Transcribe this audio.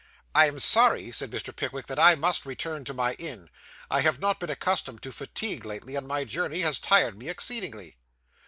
'I am sorry,' said Mr. Pickwick, 'that I must return to my inn. I have not been accustomed to fatigue lately, and my journey has tired me exceedingly.